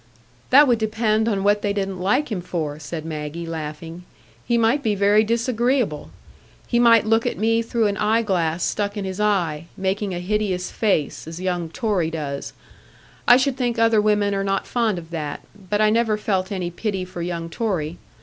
"That would depend on what they didn't like him for," said Maggie, laughing. "He might be very disagreeable. He might look at me through an eye glass stuck in his eye, making a hideous face, as young Torry does. I should think other women are not fond of that; but I never felt any pity for young Torry.